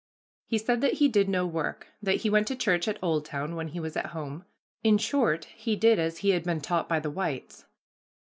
He said that he did no work, that he went to church at Oldtown when he was at home; in short, he did as he had been taught by the whites.